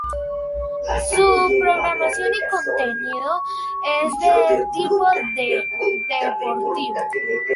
Su programación y contenido es de tipo deportivo.